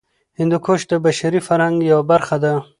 هندوکش د بشري فرهنګ یوه برخه ده.